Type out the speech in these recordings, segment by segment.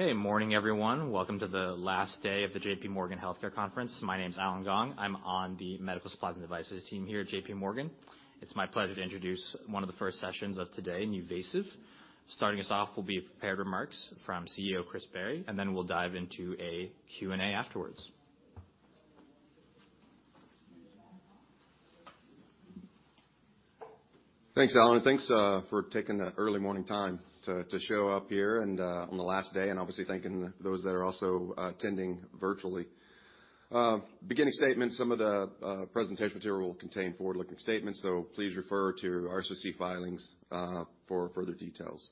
Okay. Morning, everyone. Welcome to the last day of the JPMorgan Healthcare Conference. My name's Allen Gong. I'm on the Medical Supplies and Devices team here at JPMorgan. It's my pleasure to introduce one of the first sessions of today, NuVasive. Starting us off will be prepared remarks from CEO, Chris Barry, and then we'll dive into a Q&A afterwards. Thanks, Allen. Thanks for taking the early morning time to show up here and on the last day, and obviously thanking those that are also attending virtually. Beginning statement, some of the presentation material will contain forward-looking statements. Please refer to our SEC filings for further details.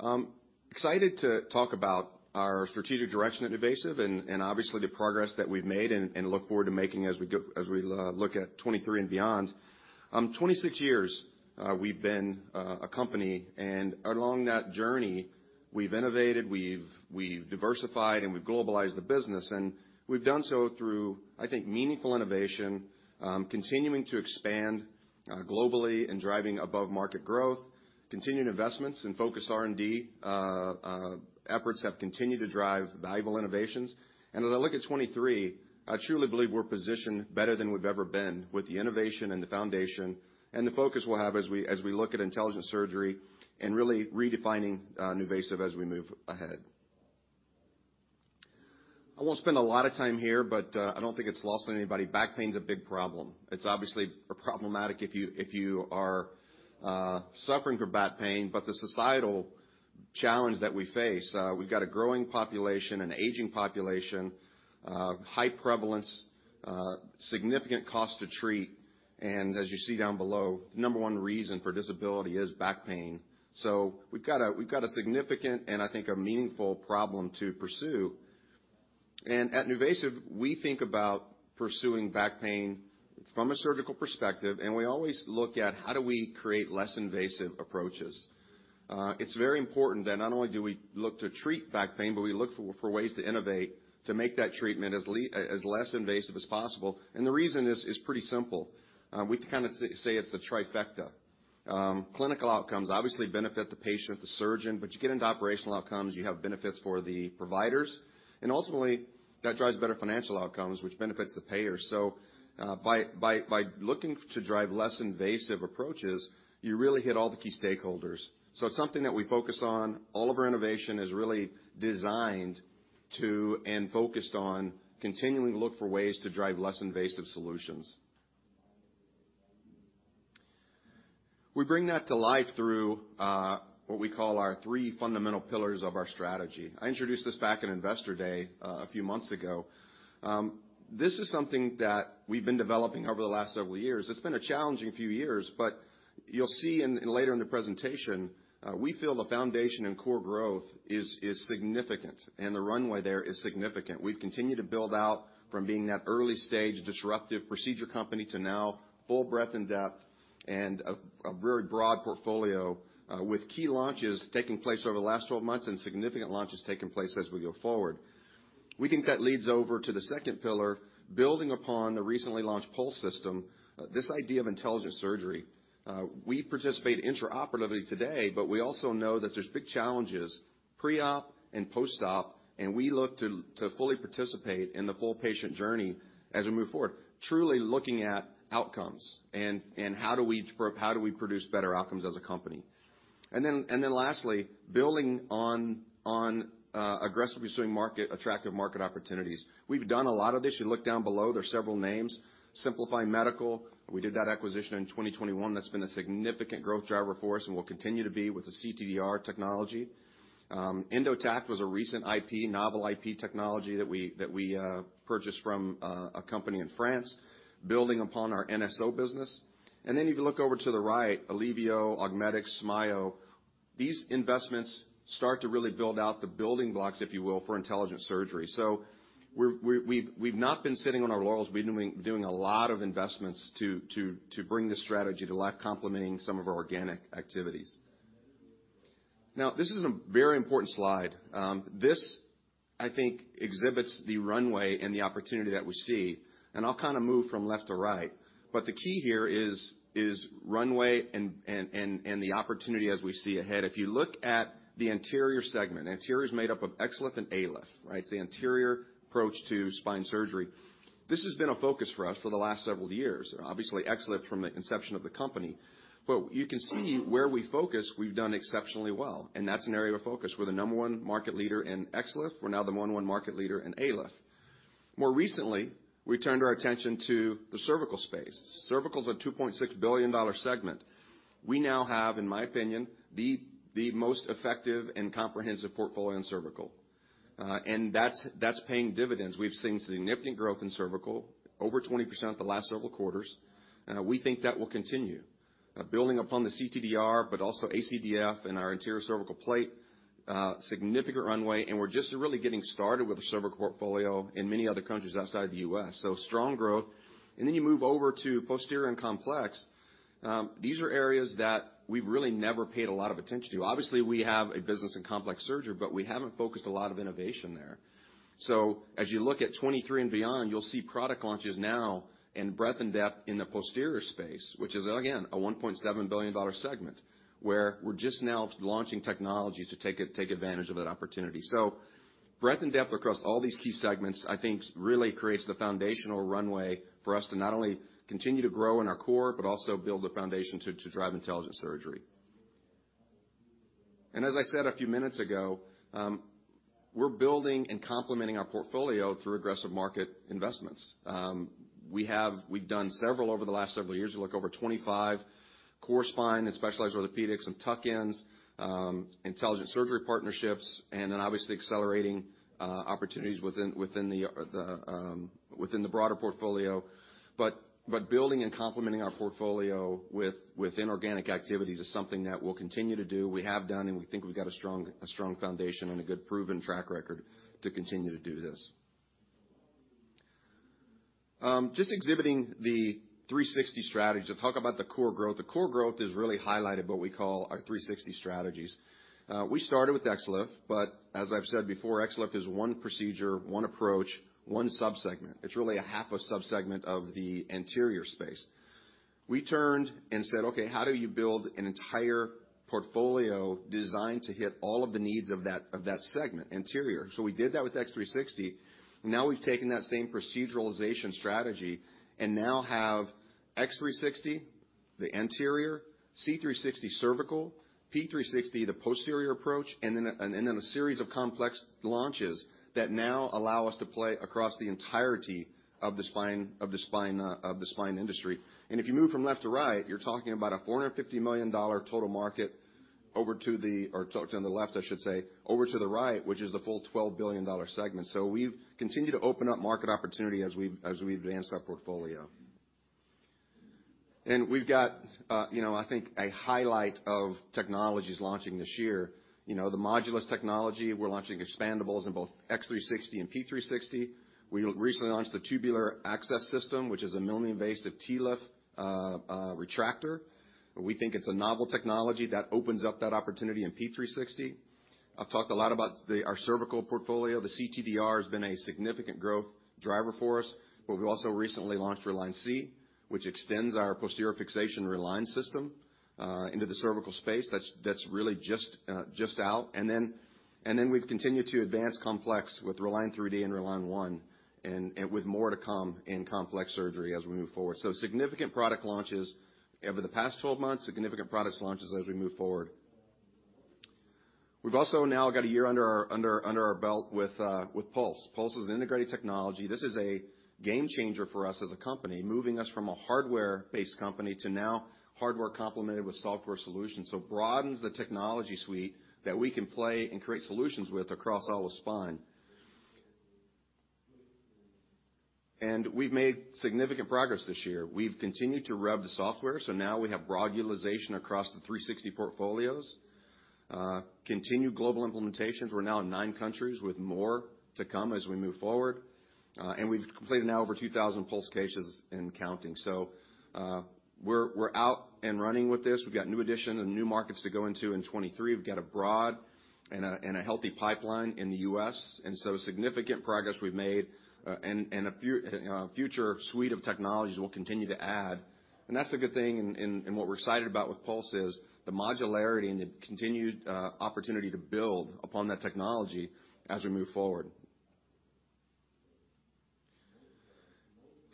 I'm excited to talk about our strategic direction at NuVasive and obviously the progress that we've made and look forward to making as we look at 2023 and beyond. 26 years we've been a company. Along that journey, we've innovated, we've diversified, and we've globalized the business. We've done so through, I think, meaningful innovation, continuing to expand globally and driving above-market growth. Continued investments in focus R&D efforts have continued to drive valuable innovations. As I look at 2023, I truly believe we're positioned better than we've ever been with the innovation and the foundation and the focus we'll have as we look at Intelligent Surgery and really redefining NuVasive as we move ahead. I won't spend a lot of time here, but I don't think it's lost on anybody. Back pain is a big problem. It's obviously problematic if you are suffering from back pain, but the societal challenge that we face, we've got a growing population, an aging population, high prevalence, significant cost to treat. As you see down below, number one reason for disability is back pain. We've got a significant, and I think a meaningful problem to pursue. At NuVasive, we think about pursuing back pain from a surgical perspective, and we always look at how do we create less invasive approaches. It's very important that not only do we look to treat back pain, but we look for ways to innovate, to make that treatment as less invasive as possible. The reason is pretty simple. We kind of say it's a trifecta. Clinical outcomes obviously benefit the patient, the surgeon, but you get into operational outcomes, you have benefits for the providers. Ultimately, that drives better financial outcomes, which benefits the payer. By looking to drive less invasive approaches, you really hit all the key stakeholders. It's something that we focus on. All of our innovation is really designed to and focused on continuing to look for ways to drive less invasive solutions. We bring that to life through what we call our three fundamental pillars of our strategy. I introduced this back in Investor Day a few months ago. This is something that we've been developing over the last several years. It's been a challenging few years, but you'll see later in the presentation, we feel the foundation in core growth is significant, and the runway there is significant. We've continued to build out from being that early-stage disruptive procedure company to now full breadth and depth and a very broad portfolio with key launches taking place over the last 12 months and significant launches taking place as we go forward. We think that leads over to the second pillar, building upon the recently launched Pulse system, this idea of Intelligent Surgery. We participate intraoperatively today, but we also know that there's big challenges pre-op and post-op, and we look to fully participate in the full patient journey as we move forward, truly looking at outcomes and how do we produce better outcomes as a company. Lastly, building on aggressively pursuing attractive market opportunities. We've done a lot of this. You look down below, there's several names. Simplify Medical, we did that acquisition in 2021. That's been a significant growth driver for us and will continue to be with the CTDR technology. EndoTac was a recent IP, novel IP technology that we purchased from a company in France, building upon our NSO business. If you look over to the right, Allevio, Augmedics, SMAIO, these investments start to really build out the building blocks, if you will, for Intelligent Surgery. We've not been sitting on our laurels. We've been doing a lot of investments to bring this strategy to life, complementing some of our organic activities. This is a very important slide. This, I think, exhibits the runway and the opportunity that we see, and I'll kinda move from left to right. The key here is runway and the opportunity as we see ahead. If you look at the anterior segment, anterior is made up of XLIF and ALIF, right? It's the anterior approach to spine surgery. This has been a focus for us for the last several years, obviously XLIF from the inception of the company. You can see where we focus, we've done exceptionally well, and that's an area of focus. We're the number one market leader in XLIF. We're now the number one market leader in ALIF. More recently, we turned our attention to the cervical space. Cervical is a $2.6 billion segment. We now have, in my opinion, the most effective and comprehensive portfolio in cervical. That's paying dividends. We've seen significant growth in cervical, over 20% the last several quarters. We think that will continue. Building upon the CTDR, also ACDF and our anterior cervical plate, significant runway, and we're just really getting started with the cervical portfolio in many other countries outside the US. Strong growth. Then you move over to posterior and complex. These are areas that we've really never paid a lot of attention to. Obviously, we have a business in complex surgery, but we haven't focused a lot of innovation there. As you look at 2023 and beyond, you'll see product launches now and breadth and depth in the posterior space, which is again, a $1.7 billion segment, where we're just now launching technologies to take it, take advantage of that opportunity. Breadth and depth across all these key segments, I think really creates the foundational runway for us to not only continue to grow in our core, but also build the foundation to drive Intelligent Surgery. As I said a few minutes ago, we're building and complementing our portfolio through aggressive market investments. We've done several over the last several years. We look over 25 core spine and specialized orthopedics and tuck-ins, Intelligent Surgery partnerships, and then obviously accelerating opportunities within the broader portfolio. Building and complementing our portfolio within organic activities is something that we'll continue to do, we have done, and we think we've got a strong foundation and a good proven track record to continue to do this. Just exhibiting the 360 strategy. To talk about the core growth. The core growth is really highlighted what we call our 360 strategies. We started with XLIF, as I've said before, XLIF is one procedure, one approach, one subsegment. It's really a half a subsegment of the anterior space. We turned and said, "Okay, how do you build an entire portfolio designed to hit all of the needs of that segment, anterior?" We did that with X360. Now we've taken that same proceduralization strategy and now have X360, the anterior, C360 cervical, P360, the posterior approach, and then a series of complex launches that now allow us to play across the entirety of the spine industry. If you move from left to right, you're talking about a $450 million total market over to the left, I should say, over to the right, which is the full $12 billion segment. We've continued to open up market opportunity as we've advanced our portfolio. We've got, you know, I think a highlight of technologies launching this year. You know, the Modulus technology, we're launching expandables in both X360 and P360. We recently launched the Tubular Access System, which is a minimally invasive TLIF retractor. We think it's a novel technology that opens up that opportunity in P360. I've talked a lot about our cervical portfolio. The CTDR has been a significant growth driver for us, but we've also recently launched Reline C, which extends our posterior fixation Reline system into the cervical space. That's really just out. Then we've continued to advance complex with Reline 3D and Reline ONE, and with more to come in complex surgery as we move forward. Significant product launches over the past 12 months, significant products launches as we move forward. We've also now got a year under our belt with Pulse. Pulse is an integrated technology. This is a game changer for us as a company, moving us from a hardware-based company to now hardware complemented with software solutions. Broadens the technology suite that we can play and create solutions with across all of spine. We've made significant progress this year. We've continued to rev the software, now we have broad utilization across the 360 portfolios. Continued global implementations. We're now in nine countries with more to come as we move forward. We've completed now over 2,000 Pulse cases and counting. We're out and running with this. We've got new addition and new markets to go into in 2023. We've got a broad and a healthy pipeline in the U.S. Significant progress we've made, and a future suite of technologies we'll continue to add. That's a good thing, and what we're excited about with Pulse is the modularity and the continued opportunity to build upon that technology as we move forward.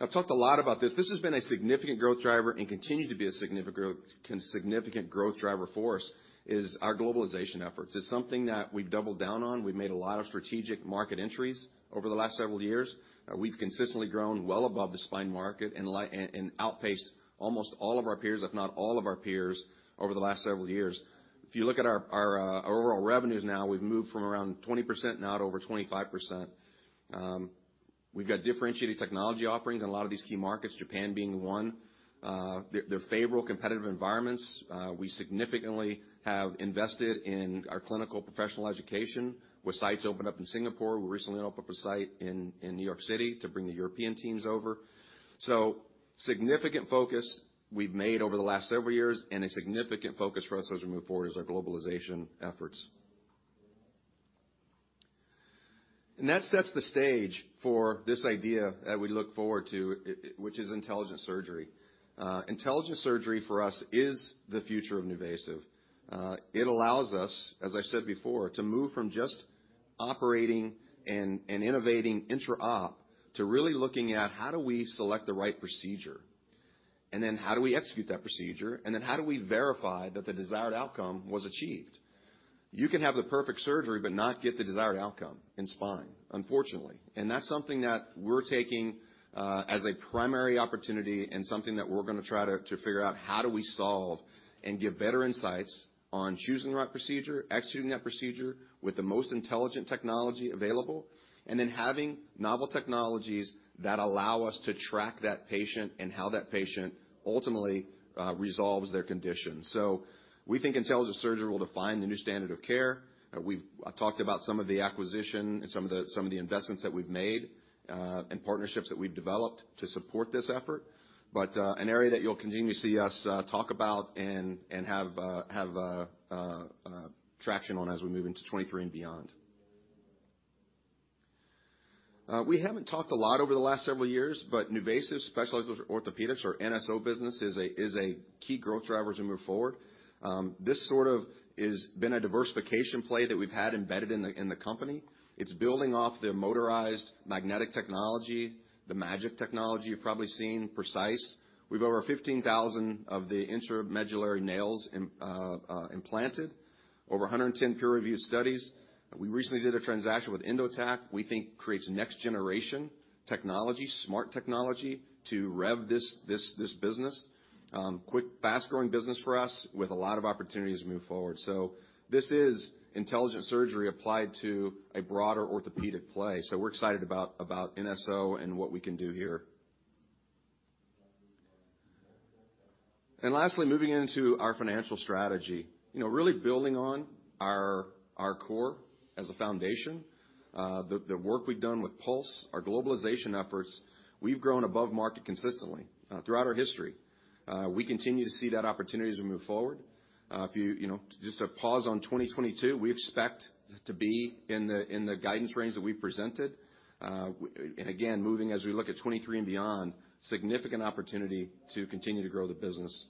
I've talked a lot about this. This has been a significant growth driver and continues to be a significant growth driver for us, is our globalization efforts. It's something that we've doubled down on. We've made a lot of strategic market entries over the last several years. We've consistently grown well above the spine market and outpaced almost all of our peers, if not all of our peers, over the last several years. If you look at our overall revenues now, we've moved from around 20% now to over 25%. We've got differentiated technology offerings in a lot of these key markets, Japan being one. They're favorable competitive environments. We significantly have invested in our clinical professional education, with sites opened up in Singapore. We recently opened up a site in New York City to bring the European teams over. Significant focus we've made over the last several years, and a significant focus for us as we move forward is our globalization efforts. That sets the stage for this idea that we look forward to, which is Intelligent Surgery. Intelligent Surgery for us is the future of NuVasive. It allows us, as I said before, to move from just operating and innovating intra-op to really looking at how do we select the right procedure? Then how do we execute that procedure? Then how do we verify that the desired outcome was achieved? You can have the perfect surgery but not get the desired outcome in spine, unfortunately. That's something that we're taking as a primary opportunity and something that we're gonna try to figure out how do we solve and give better insights on choosing the right procedure, executing that procedure with the most intelligent technology available, and then having novel technologies that allow us to track that patient and how that patient ultimately resolves their condition. We think Intelligent Surgery will define the new standard of care. We've talked about some of the acquisition and some of the investments that we've made and partnerships that we've developed to support this effort. An area that you'll continue to see us talk about and have traction on as we move into 2023 and beyond. We haven't talked a lot over the last several years, but NuVasive Specialized Orthopedics or NSO business is a key growth driver as we move forward. This sort of is been a diversification play that we've had embedded in the company. It's building off the motorized magnetic technology, the MAGEC technology you've probably seen, Precice. We've over 15,000 of the intramedullary nails implanted, over 110 peer-reviewed studies. We recently did a transaction with EndoTac, we think creates next-generation technology, smart technology to rev this business. Fast-growing business for us with a lot of opportunities to move forward. This is Intelligent Surgery applied to a broader orthopedic play. We're excited about NSO and what we can do here. Lastly, moving into our financial strategy. You know, really building on our core as a foundation. The work we've done with Pulse, our globalization efforts, we've grown above market consistently throughout our history. We continue to see that opportunity as we move forward. If you know, just to pause on 2022, we expect to be in the guidance range that we presented. Again, moving as we look at 2023 and beyond, significant opportunity to continue to grow the business.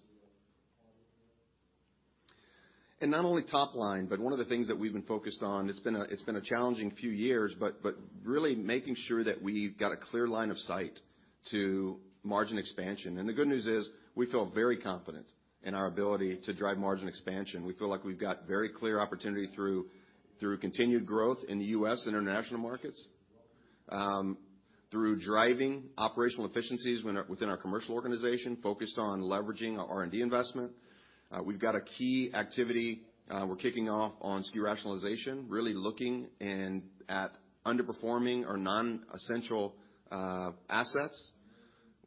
Not only top line, but one of the things that we've been focused on, it's been a challenging few years, but really making sure that we've got a clear line of sight to margin expansion. The good news is we feel very confident in our ability to drive margin expansion. We feel like we've got very clear opportunity through continued growth In the U.S. and international markets, through driving operational efficiencies within our commercial organization, focused on leveraging our R&D investment. We've got a key activity we're kicking off on SKU rationalization, really looking at underperforming or non-essential assets.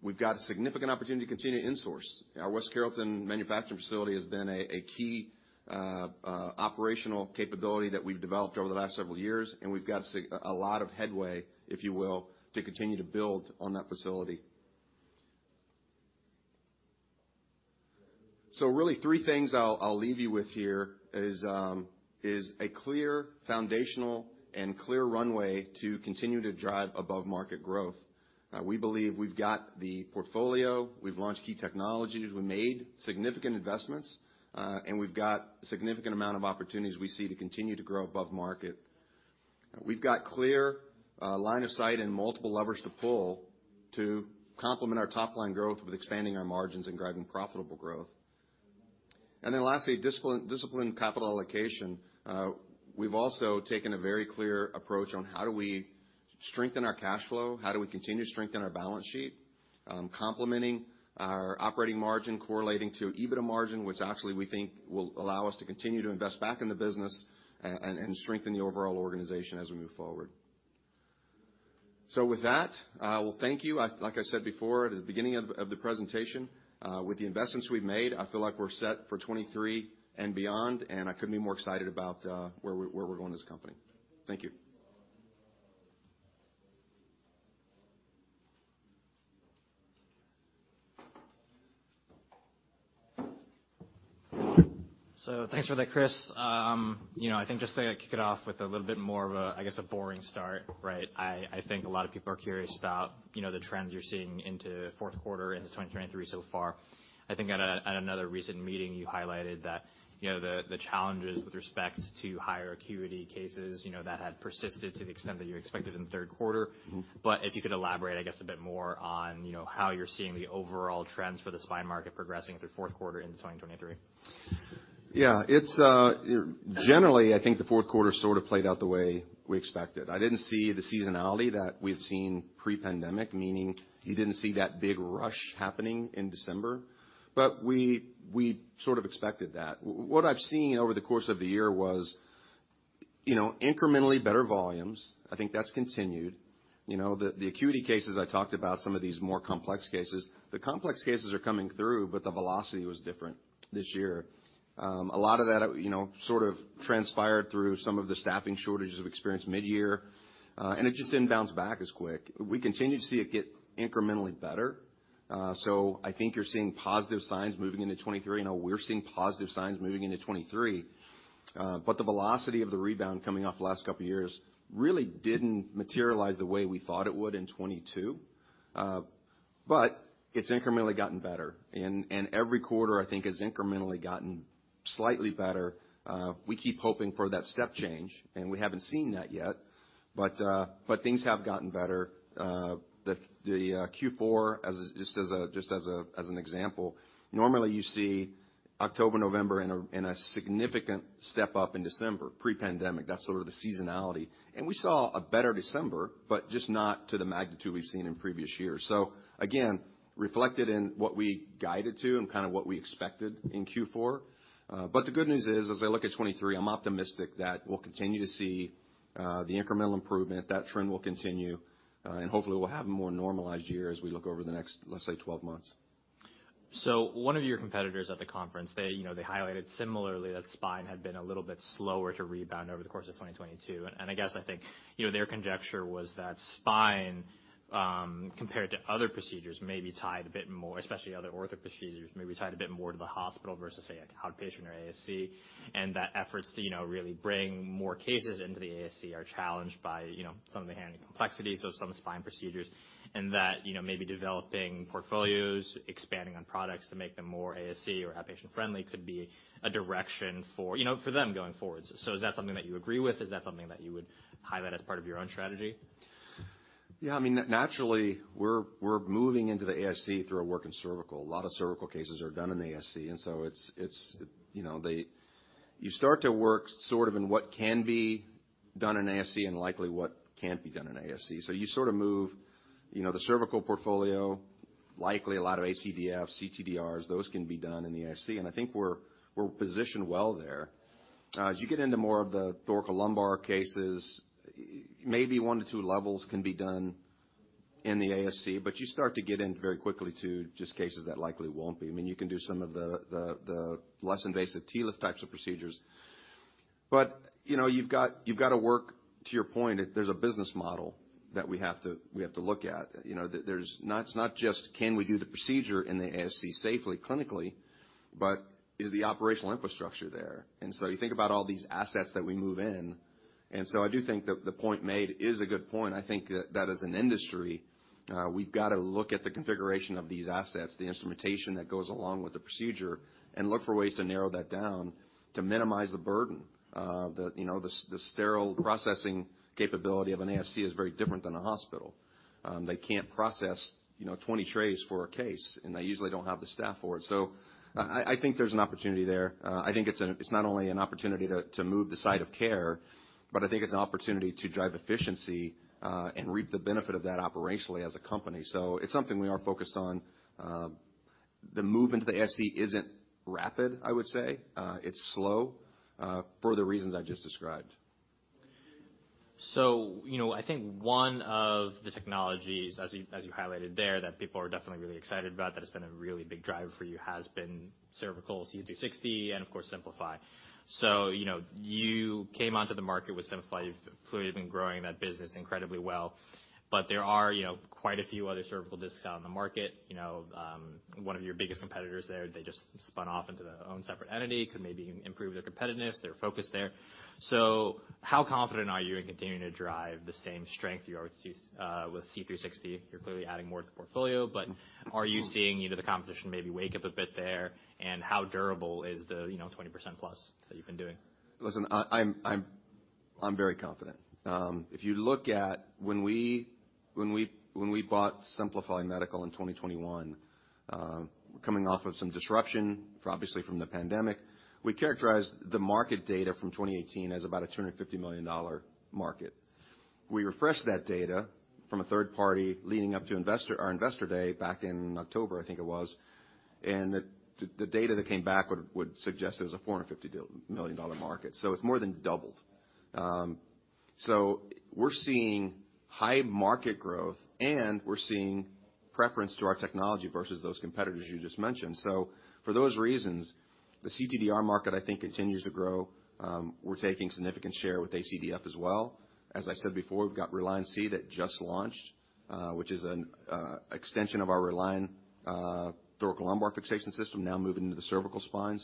We've got a significant opportunity to continue to insource. Our West Carrollton manufacturing facility has been a key operational capability that we've developed over the last several years, and we've got a lot of headway, if you will, to continue to build on that facility. Really three things I'll leave you with here is a clear foundational and clear runway to continue to drive above market growth. We believe we've got the portfolio, we've launched key technologies, we made significant investments, and we've got significant amount of opportunities we see to continue to grow above market. We've got clear line of sight and multiple levers to pull to complement our top-line growth with expanding our margins and driving profitable growth. Lastly, disciplined capital allocation. We've also taken a very clear approach on how do we strengthen our cash flow, how do we continue to strengthen our balance sheet, complementing our operating margin correlating to EBITDA margin, which actually we think will allow us to continue to invest back in the business and strengthen the overall organization as we move forward. With that, we'll thank you. Like I said before at the beginning of the presentation, with the investments we've made, I feel like we're set for 23 and beyond, and I couldn't be more excited about where we're going with this company. Thank you. Thanks for that, Chris. you know, I think just to kick it off with a little bit more of a, I guess, a boring start, right? I think a lot of people are curious about, you know, the trends you're seeing into fourth quarter into 2023 so far. I think at a, at another recent meeting, you highlighted that, you know, the challenges with respect to higher acuity cases, you know, that had persisted to the extent that you expected in the third quarter. Mm-hmm. if you could elaborate, I guess, a bit more on, you know, how you're seeing the overall trends for the spine market progressing through fourth quarter into 2023. It's gen2erally, I think the fourth quarter sort of played out the way we expected. I didn't see the seasonality that we've seen pre-pandemic, meaning you didn't see that big rush happening in December. We sort of expected that. What I've seen over the course of the year was, you know, incrementally better volumes. I think that's continued. You know, the acuity cases I talked about, some of these more complex cases. The complex cases are coming through, the velocity was different this year. A lot of that, you know, sort of transpired through some of the staffing shortages we've experienced midyear, it just didn't bounce back as quick. We continue to see it get incrementally better. I think you're seeing positive signs moving into 23. I know we're seeing positive signs moving into 2023. The velocity of the rebound coming off the last couple of years really didn't materialize the way we thought it would in 2022. It's incrementally gotten better. Every quarter, I think has incrementally gotten slightly better. We keep hoping for that step change, and we haven't seen that yet. Things have gotten better. The Q4, just as an example, normally you see October, November and a significant step-up in December pre-pandemic. That's sort of the seasonality. We saw a better December, but just not to the magnitude we've seen in previous years. Again, reflected in what we guided to and kind of what we expected in Q4. The good news is, as I look at 2023, I'm optimistic that we'll continue to see the incremental improvement. That trend will continue. Hopefully we'll have a more normalized year as we look over the next, let's say, 12 months. One of your competitors at the conference, they, you know, they highlighted similarly that spine had been a little bit slower to rebound over the course of 2022. I guess I think, you know, their conjecture was that spine, compared to other procedures, maybe tied a bit more, especially other ortho procedures, maybe tied a bit more to the hospital versus say, like outpatient or ASC. That efforts to, you know, really bring more cases into the ASC are challenged by, you know, some of the inherent complexities of some spine procedures. That, you know, maybe developing portfolios, expanding on products to make them more ASC or outpatient friendly could be a direction for, you know, for them going forward. Is that something that you agree with? Is that something that you would highlight as part of your own strategy? Yeah. I mean, naturally, we're moving into the ASC through our work in cervical. A lot of cervical cases are done in ASC. It's, you know, You start to work sort of in what can be done in ASC and likely what can't be done in ASC. You sort of move, you know, the cervical portfolio, likely a lot of ACDF, CTDRs, those can be done in the ASC, and I think we're positioned well there. As you get into more of the thoracolumbar cases, maybe one to two levels can be done in the ASC. You start to get in very quickly to just cases that likely won't be. I mean, you can do some of the less invasive TLIF types of procedures. You know, you've got to work, to your point, there's a business model that we have to look at. You know, it's not just can we do the procedure in the ASC safely, clinically, but is the operational infrastructure there? You think about all these assets that we move in. I do think that the point made is a good point, and I think that as an industry, we've got to look at the configuration of these assets, the instrumentation that goes along with the procedure, and look for ways to narrow that down to minimize the burden. The, you know, the sterile processing capability of an ASC is very different than a hospital. They can't process, you know, 20 trays for a case, and they usually don't have the staff for it. I think there's an opportunity there. I think it's not only an opportunity to move the site of care, but I think it's an opportunity to drive efficiency and reap the benefit of that operationally as a company. It's something we are focused on. The move into the ASC isn't rapid, I would say. It's slow for the reasons I just described. You know, I think one of the technologies, as you highlighted there, that people are definitely really excited about, that has been a really big driver for you, has been cervical C360 and, of course, Simplify. You know, you came onto the market with Simplify. You've clearly been growing that business incredibly well. There are, you know, quite a few other cervical discs out in the market. You know, one of your biggest competitors there, they just spun off into their own separate entity, could maybe improve their competitiveness, their focus there. How confident are you in continuing to drive the same strength you are with C360? You're clearly adding more to the portfolio, but are you seeing, you know, the competition maybe wake up a bit there? How durable is the, you know, 20% plus that you've been doing? Listen, I'm very confident. If you look at when we bought Simplify Medical in 2021, coming off of some disruption, obviously from the pandemic, we characterized the market data from 2018 as about a $250 million market. We refreshed that data from a third party leading up to our investor day back in October, I think it was, and the data that came back would suggest it was a $450 million market. It's more than doubled. So we're seeing high market growth, and we're seeing preference to our technology versus those competitors you just mentioned. For those reasons, the CTDR market, I think, continues to grow. We're taking significant share with ACDF as well. As I said before, we've got Reline Cervical that just launched, which is an extension of our Reline thoracolumbar fixation system now moving into the cervical spine.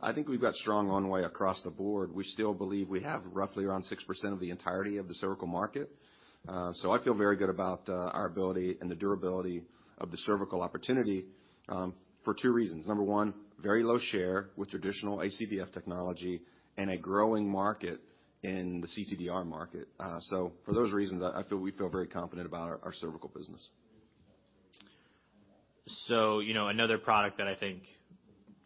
I think we've got strong on way across the board. We still believe we have roughly around 6% of the entirety of the cervical market. I feel very good about our ability and the durability of the cervical opportunity for two reasons. Number one, very low share with traditional ACDF technology and a growing market in the CTDR market. For those reasons, we feel very confident about our cervical business. You know, another product that I think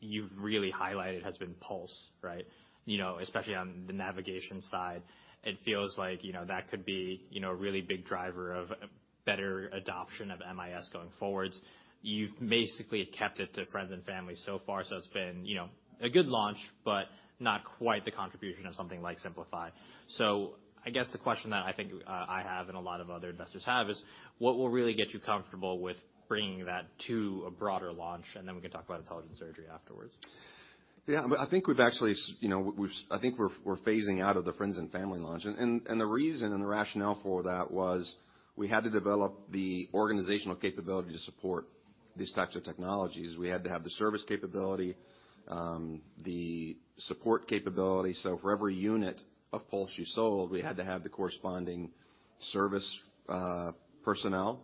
you've really highlighted has been Pulse, right? You know, especially on the navigation side, it feels like, you know, that could be, you know, a really big driver of better adoption of MIS going forward. You've basically kept it to friends and family so far. It's been, you know, a good launch, but not quite the contribution of something like Simplify. I guess the question that I think I have and a lot of other investors have is, what will really get you comfortable with bringing that to a broader launch? Then we can talk about Intelligent Surgery afterwards. I think we've actually, you know, I think we're phasing out of the friends and family launch. The reason and the rationale for that was we had to develop the organizational capability to support these types of technologies. We had to have the service capability, the support capability. For every unit of Pulse you sold, we had to have the corresponding service personnel.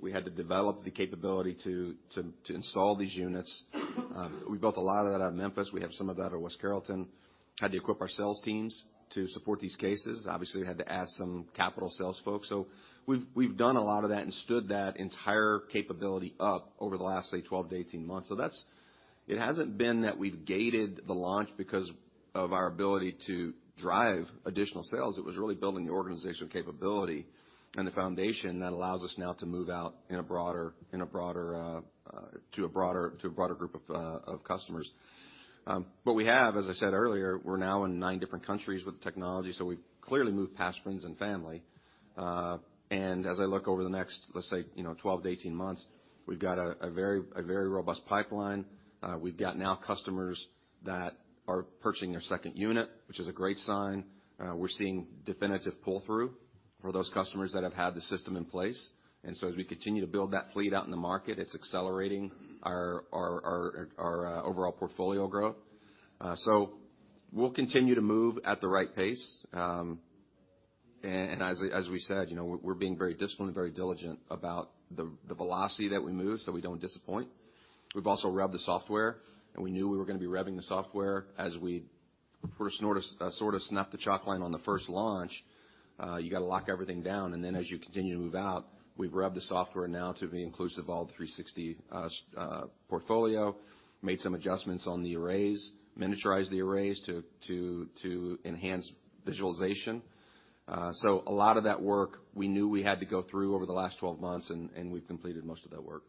We had to develop the capability to install these units. We built a lot of that out of Memphis. We have some of that out of West Carrollton. Had to equip our sales teams to support these cases. Obviously, we had to add some capital sales folks. We've done a lot of that and stood that entire capability up over the last, say, 12 to 18 months. That's it hasn't been that we've gated the launch because of our ability to drive additional sales. It was really building the organizational capability and the foundation that allows us now to move out in a broader, to a broader group of customers. We have, as I said earlier, we're now in nine different countries with the technology, so we've clearly moved past friends and family. As I look over the next, let's say, you know, 12 to 18 months, we've got a very robust pipeline. We've got now customers that are purchasing their second unit, which is a great sign. We're seeing definitive pull-through. For those customers that have had the system in place. As we continue to build that fleet out in the market, it's accelerating our overall portfolio growth. We'll continue to move at the right pace. As we said, you know, we're being very disciplined and very diligent about the velocity that we move so we don't disappoint. We've also revved the software, we knew we were gonna be revving the software as we first sort of snapped the chalk line on the first launch. You gotta lock everything down, as you continue to move out, we've revved the software now to be inclusive of all the 360 portfolio, made some adjustments on the arrays, miniaturized the arrays to enhance visualization. A lot of that work we knew we had to go through over the last 12 months and we've completed most of that work.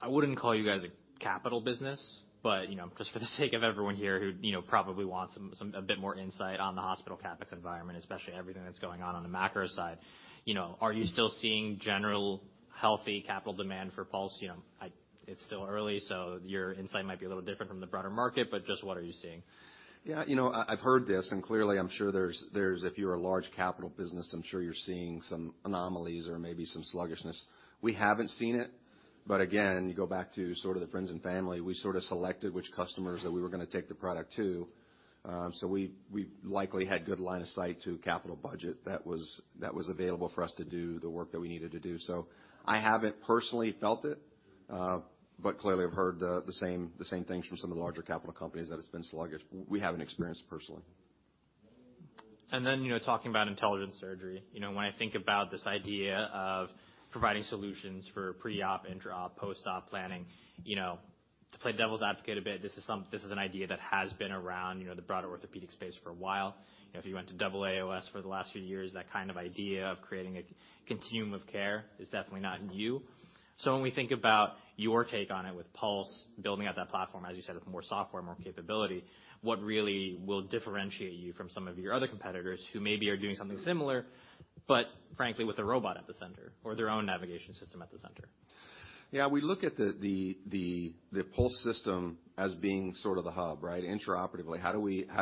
I wouldn't call you guys a capital business, but, you know, just for the sake of everyone here who, you know, probably wants some a bit more insight on the hospital CapEx environment, especially everything that's going on on the macro side, you know, are you still seeing general healthy capital demand for Pulse? You know, it's still early, so your insight might be a little different from the broader market, but just what are you seeing? Yeah, you know, I've heard this. Clearly I'm sure there's, if you're a large capital business, I'm sure you're seeing some anomalies or maybe some sluggishness. We haven't seen it. Again, you go back to sort of the friends and family, we sort of selected which customers that we were gonna take the product to. So we likely had good line of sight to capital budget that was available for us to do the work that we needed to do. I haven't personally felt it, but clearly I've heard the same things from some of the larger capital companies that it's been sluggish. We haven't experienced personally. You know, talking about Intelligent Surgery. You know, when I think about this idea of providing solutions for pre-op, intra-op, post-op planning, you know, to play devil's advocate a bit, this is an idea that has been around, you know, the broader orthopedic space for a while. You know, if you went to AAOS for the last few years, that kind of idea of creating a continuum of care is definitely not new. When we think about your take on it with Pulse building out that platform, as you said, with more software, more capability, what really will differentiate you from some of your other competitors who maybe are doing something similar, but frankly with a robot at the center or their own navigation system at the center? Yeah. We look at the Pulse system as being sort of the hub, right? Intraoperatively, how do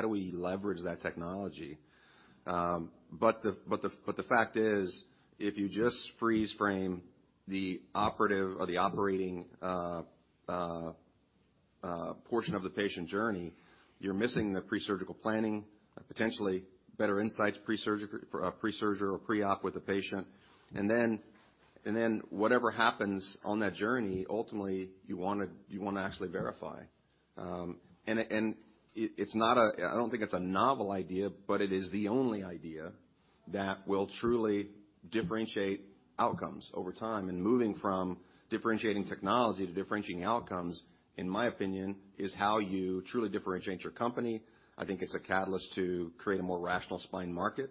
we leverage that technology? But the fact is, if you just freeze frame the operative or the operating portion of the patient journey, you're missing the pre-surgical planning, potentially better insights pre-surgery or pre-op with the patient, and then whatever happens on that journey, ultimately, you wanna actually verify. And it's not a novel idea, but it is the only idea that will truly differentiate outcomes over time. Moving from differentiating technology to differentiating outcomes, in my opinion, is how you truly differentiate your company. I think it's a catalyst to create a more rational spine market.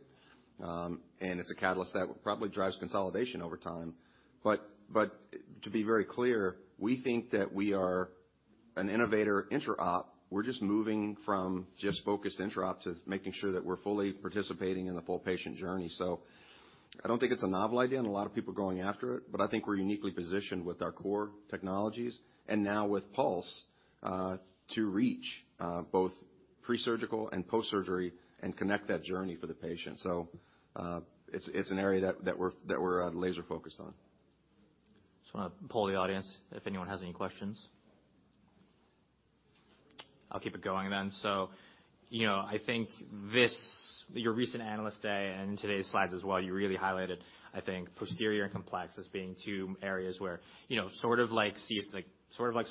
It's a catalyst that probably drives consolidation over time. To be very clear, we think that we are an innovator intra-op. We're just moving from just focused intra-op to making sure that we're fully participating in the full patient journey. I don't think it's a novel idea, and a lot of people are going after it, but I think we're uniquely positioned with our core technologies and now with Pulse, to reach, both pre-surgical and post-surgery and connect that journey for the patient. It's an area that we're laser focused on. Just want to poll the audience if anyone has any questions. I'll keep it going. you know, I think your recent Analyst Day and today's slides as well, you really highlighted, I think, posterior and complex as being two areas where, you know, sort of like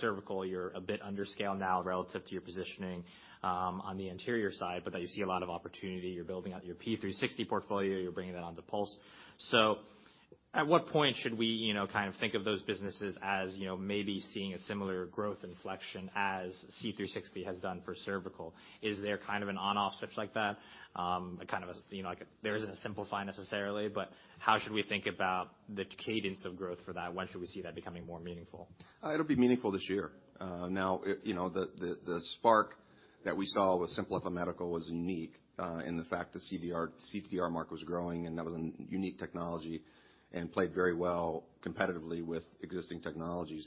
cervical, you're a bit under scale now relative to your positioning on the anterior side, but that you see a lot of opportunity. You're building out your P360 portfolio. You're bringing that onto Pulse. At what point should we, you know, kind of think of those businesses as, you know, maybe seeing a similar growth inflection as C360 has done for cervical? Is there kind of an on/off switch like that? There isn't a simple find necessarily, but how should we think about the cadence of growth for that? When should we see that becoming more meaningful? It'll be meaningful this year. now, it, you know, the, the spark that we saw with Simplify Medical was unique, in the fact the CTDR market was growing, and that was a unique technology and played very well competitively with existing technologies.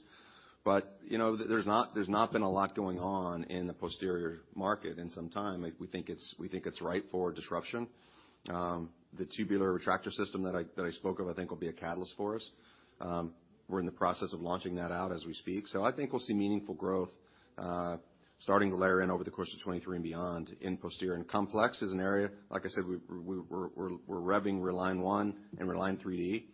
you know, there's not, there's not been a lot going on in the posterior market in some time. Like, we think it's right for disruption. The tubular retractor system that I, that I spoke of I think will be a catalyst for us. we're in the process of launching that out as we speak. I think we'll see meaningful growth, starting to layer in over the course of 2023 and beyond in posterior. complex is an area, like I said, we're revving Reline ONE and Reline 3D.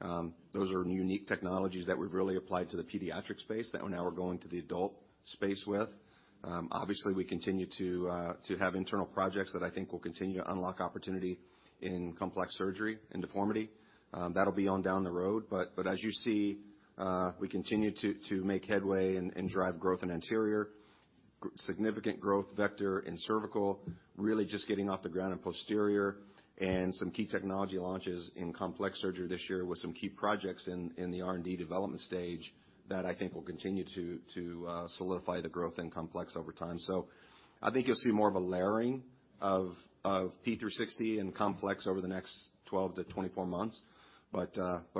Those are unique technologies that we've really applied to the pediatric space that we're now going to the adult space with. Obviously, we continue to have internal projects that I think will continue to unlock opportunity in complex surgery and deformity. That'll be on down the road. As you see, we continue to make headway and drive growth in anterior, significant growth vector in cervical, really just getting off the ground in posterior, and some key technology launches in complex surgery this year with some key projects in the R&D development stage that I think will continue to solidify the growth in complex over time. I think you'll see more of a layering of P360 and complex over the next 12-24 months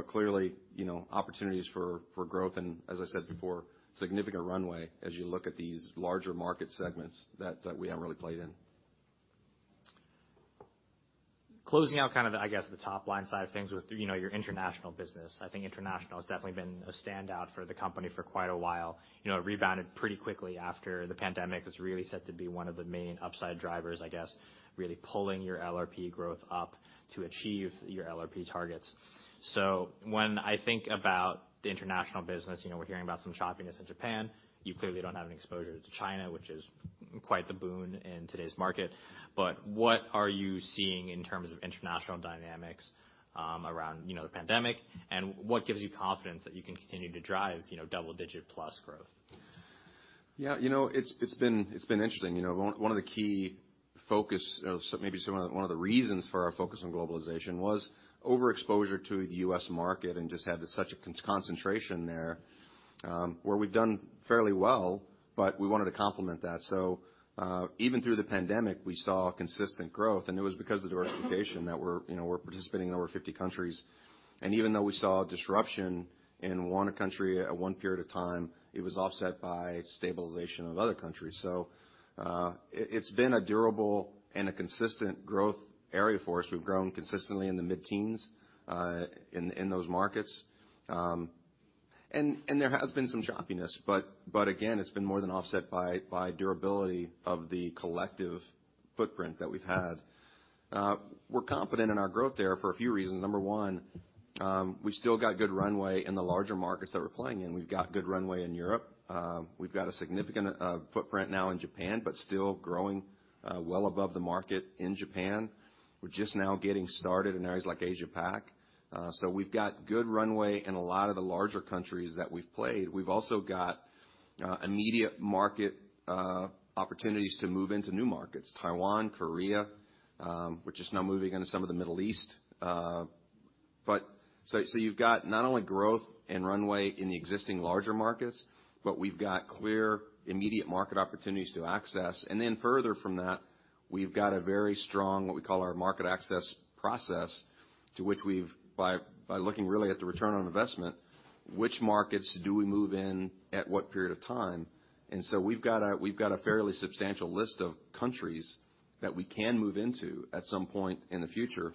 clearly, you know, opportunities for growth and as I said before, significant runway as you look at these larger market segments that we haven't really played in. Closing out kind of the, I guess, the top line side of things with, you know, your international business. I think international has definitely been a standout for the company for quite a while. You know, it rebounded pretty quickly after the pandemic. It's really set to be one of the main upside drivers, I guess, really pulling your LRP growth up to achieve your LRP targets. When I think about the international business, you know, we're hearing about some choppiness in Japan. You clearly don't have an exposure to China, which is quite the boon in today's market. What are you seeing in terms of international dynamics, around, you know, the pandemic, and what gives you confidence that you can continue to drive, you know, double-digit plus growth? You know, it's been interesting. You know, one of the key focus or one of the reasons for our focus on globalization was overexposure to the U.S. market and just had such a concentration there, where we've done fairly well, but we wanted to complement that. Even through the pandemic, we saw consistent growth, and it was because of the diversification that we're participating in over 50 countries. Even though we saw disruption in one country at one period of time, it was offset by stabilization of other countries. It's been a durable and a consistent growth area for us. We've grown consistently in the mid-teens in those markets. There has been some choppiness, but again, it's been more than offset by durability of the collective footprint that we've had. We're confident in our growth there for a few reasons. Number one, we still got good runway in the larger markets that we're playing in. We've got good runway in Europe. We've got a significant footprint now in Japan, but still growing well above the market in Japan. We're just now getting started in areas like Asia Pac. We've got good runway in a lot of the larger countries that we've played. We've also got immediate market opportunities to move into new markets, Taiwan, Korea, we're just now moving into some of the Middle East. So you've got not only growth and runway in the existing larger markets, but we've got clear immediate market opportunities to access. Further from that, we've got a very strong, what we call our market access process, to which we've by looking really at the return on investment, which markets do we move in at what period of time? We've got a, we've got a fairly substantial list of countries that we can move into at some point in the future.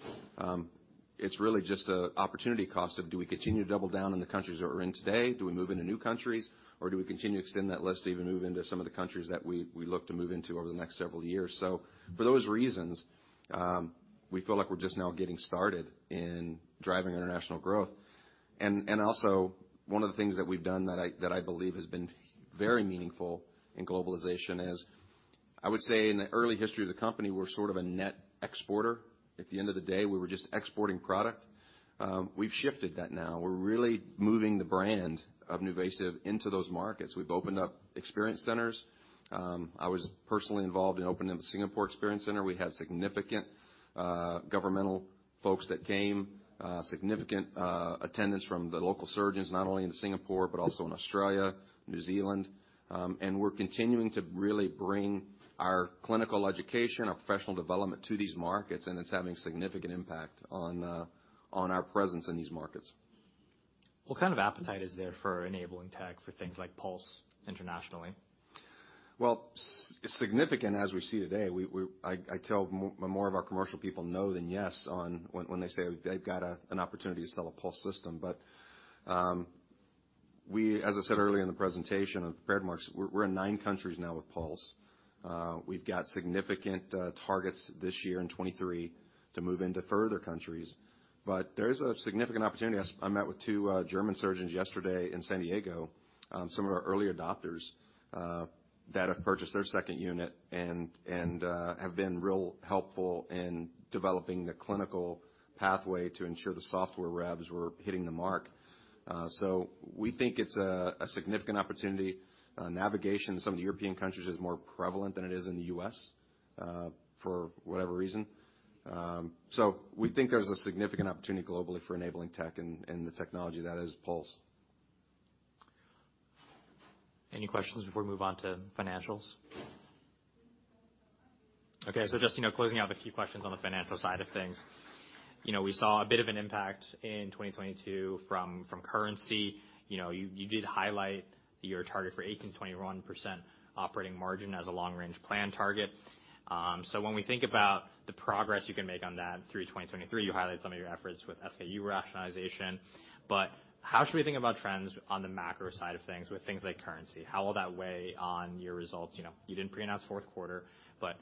It's really just an opportunity cost of do we continue to double down in the countries that we're in today? Do we move into new countries, or do we continue to extend that list to even move into some of the countries that we look to move into over the next several years? For those reasons, we feel like we're just now getting started in driving international growth. Also, one of the things that we've done that I, that I believe has been very meaningful in globalization is, I would say in the early history of the company, we're sort of a net exporter. At the end of the day, we were just exporting product. We've shifted that now. We're really moving the brand of NuVasive into those markets. We've opened up experience centers. I was personally involved in opening the Singapore Experience Center. We had significant governmental folks that came, significant attendance from the local surgeons, not only in Singapore, but also in Australia, New Zealand. We're continuing to really bring our clinical education, our professional development to these markets, and it's having significant impact on our presence in these markets. What kind of appetite is there for enabling tech for things like Pulse internationally? Well, significant as we see today. We, I tell more of our commercial people no than yes on when they say they've got an opportunity to sell a Pulse system. As I said earlier in the presentation of landmarks, we're in nine countries now with Pulse. We've got significant targets this year in 2023 to move into further countries. There is a significant opportunity. I met with two German surgeons yesterday in San Diego, some of our early adopters that have purchased their second unit and have been real helpful in developing the clinical pathway to ensure the software revs were hitting the mark. We think it's a significant opportunity. Navigation in some of the European countries is more prevalent than it is in the U.S., for whatever reason. We think there's a significant opportunity globally for enabling tech and the technology that is Pulse. Any questions before we move on to financials? Okay. Just, you know, closing out the key questions on the financial side of things. You know, we saw a bit of an impact in 2022 from currency. You know, you did highlight your target for 18%-21% operating margin as a long-range plan target. When we think about the progress you can make on that through 2023, you highlight some of your efforts with SKU rationalization. How should we think about trends on the macro side of things with things like currency? How will that weigh on your results? You know, you didn't pre-announce fourth quarter, but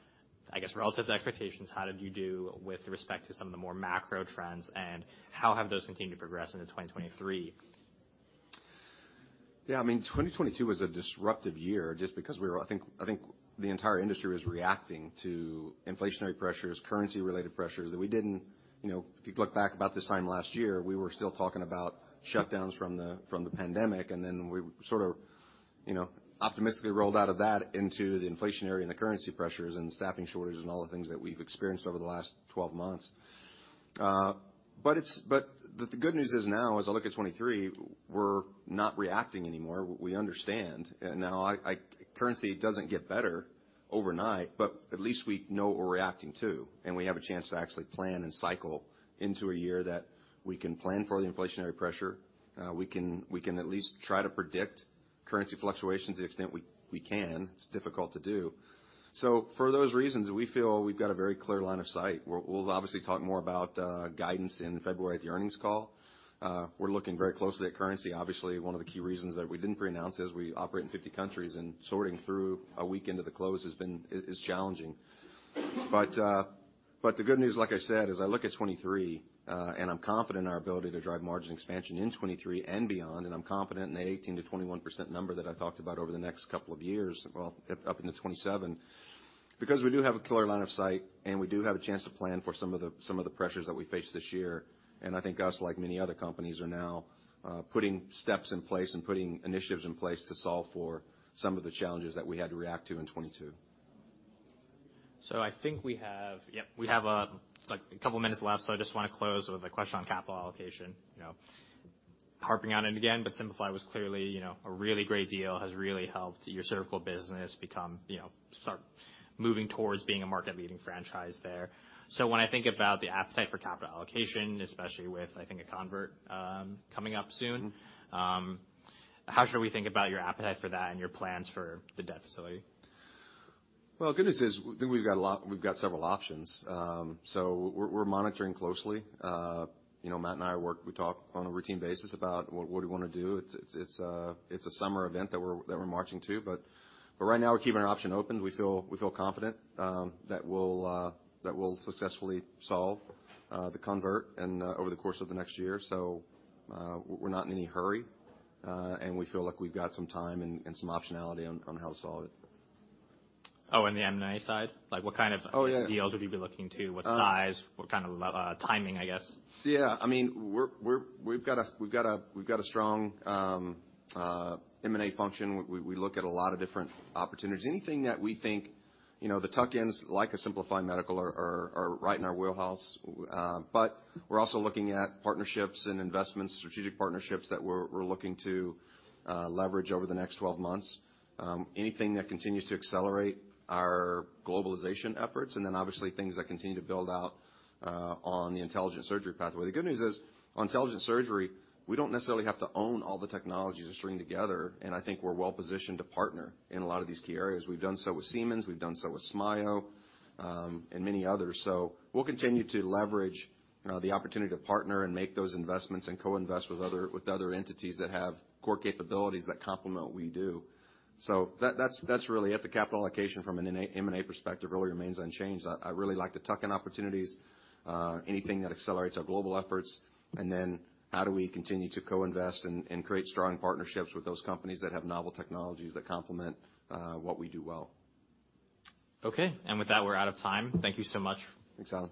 I guess relative to expectations, how did you do with respect to some of the more macro trends, and how have those continued to progress into 2023? Yeah, I mean, 2022 was a disruptive year just because we were, I think, the entire industry was reacting to inflationary pressures, currency-related pressures that we didn't. You know, if you look back about this time last year, we were still talking about shutdowns from the pandemic, we sort of, you know, optimistically rolled out of that into the inflationary and the currency pressures and staffing shortages and all the things that we've experienced over the last 12 months. The good news is now as I look at 2023, we're not reacting anymore. We understand. Now currency, it doesn't get better overnight, but at least we know what we're reacting to, and we have a chance to actually plan and cycle into a year that we can plan for the inflationary pressure. We can at least try to predict currency fluctuations to the extent we can, it's difficult to do. For those reasons, we feel we've got a very clear line of sight. We'll obviously talk more about guidance in February at the earnings call. We're looking very closely at currency. Obviously, one of the key reasons that we didn't pre-announce is we operate in 50 countries, and sorting through a week into the close is challenging. The good news, like I said, as I look at 2023, I'm confident in our ability to drive margin expansion in 2023 and beyond, and I'm confident in the 18%-21% number that I talked about over the next couple of years, well, up into 2027, because we do have a clear line of sight, and we do have a chance to plan for some of the pressures that we face this year. I think us, like many other companies, are now putting steps in place and putting initiatives in place to solve for some of the challenges that we had to react to in 2022. I think we have. Yep, we have a, like, a couple of minutes left, I just wanna close with a question on capital allocation. You know, harping on it again, but Simplify was clearly, you know, a really great deal. Has really helped your surgical business become, you know, start moving towards being a market-leading franchise there. When I think about the appetite for capital allocation, especially with, I think, a convert coming up soon... Mm-hmm. How should we think about your appetite for that and your plans for the debt facility? Well, the good news is that we've got several options. We're monitoring closely. You know, Matt and I talk on a routine basis about what do we wanna do. It's a summer event that we're marching to, but right now we're keeping our options open. We feel confident that we'll successfully solve the convert over the course of the next year. We're not in any hurry, and we feel like we've got some time and some optionality on how to solve it. Oh, on the M&A side? Like what kind of- Oh, yeah. Deals would you be looking to? Um- What size? What kind of timing, I guess? Yeah. I mean, we've got a strong M&A function. We look at a lot of different opportunities. Anything that we think, you know, the tuck-ins, like a Simplify Medical are right in our wheelhouse. We're also looking at partnerships and investments, strategic partnerships that we're looking to leverage over the next 12 months. Anything that continues to accelerate our globalization efforts, obviously things that continue to build out on the Intelligent Surgery pathway. The good news is on Intelligent Surgery, we don't necessarily have to own all the technologies we're stringing together, I think we're well positioned to partner in a lot of these key areas. We've done so with Siemens, many others. We'll continue to leverage the opportunity to partner and make those investments and co-invest with other entities that have core capabilities that complement what we do. That's really at the capital allocation from an M&A perspective really remains unchanged. I really like the tuck-in opportunities, anything that accelerates our global efforts, and then how do we continue to co-invest and create strong partnerships with those companies that have novel technologies that complement what we do well. Okay. With that, we're out of time. Thank you so much. Thanks, Allen.